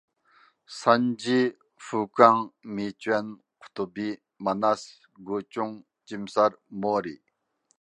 سانجى، فۇكاڭ، مىچۈەن، قۇتۇبى، ماناس، گۇچۇڭ، جىمىسار، مورى.